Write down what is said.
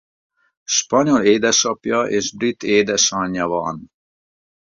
Spanyol édesapja és brit édesanyja van.